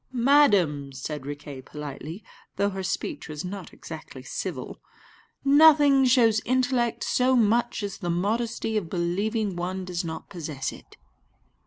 "Madam," said Riquet politely, though her speech was not exactly civil, "nothing shows intellect so much as the modesty of believing one does not possess it."